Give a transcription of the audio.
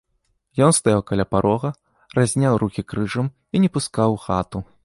Ён стаяў каля парога, разняў рукі крыжам і не пускаў у хату.